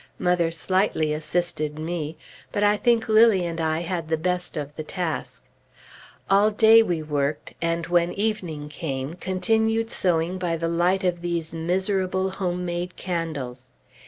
Mother slightly assisted me; but I think Lilly and I had the best of the task. All day we worked, and when evening came, continued sewing by the light of these miserable home made candles.